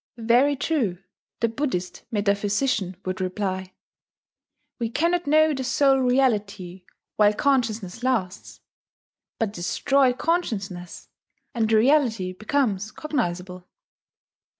"Very true," the Buddhist metaphysician would reply; "we cannot know the sole Reality while consciousness lasts. But destroy consciousness, and the Reality becomes cognizable.